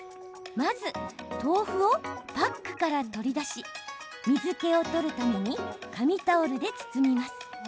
まず、豆腐をパックから取り出し水けを取るために紙タオルで包みます。